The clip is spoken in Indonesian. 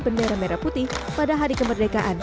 bendera merah putih pada hari kemerdekaan